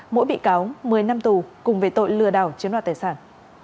mỗi bị cáo một mươi năm tù cùng về tội lừa đảo chiếm đoạt tài sản